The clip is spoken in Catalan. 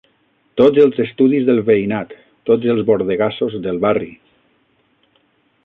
Tots els estudis del veïnat, tots els bordegassos del barri